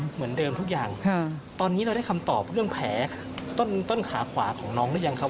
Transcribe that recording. เหมือนเดิมทุกอย่างตอนนี้เราได้คำตอบเรื่องแผลต้นขาขวาของน้องหรือยังครับ